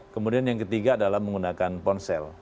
kemudian yang ketiga adalah menggunakan ponsel